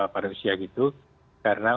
pada usia gitu karena